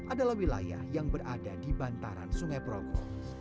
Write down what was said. adalah wilayah yang berada di bantaran sungai progo